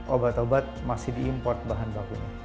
sembilan puluh obat obat masih diimport bahan bakunya